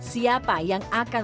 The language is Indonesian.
siapa yang akan